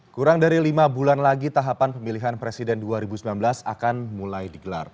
kurang dari lima bulan lagi tahapan pemilihan presiden dua ribu sembilan belas akan mulai digelar